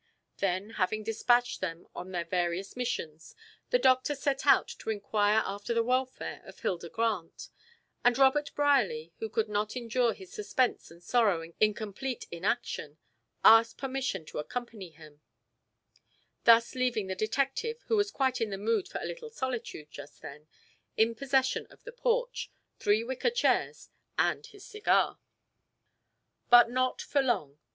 Then, having dispatched them on their various missions, the doctor set out to inquire after the welfare of Hilda Grant; and Robert Brierly, who could not endure his suspense and sorrow in complete inaction, asked permission to accompany him, thus leaving the detective, who was quite in the mood for a little solitude just then, in possession of the porch, three wicker chairs and his cigar. But not for long.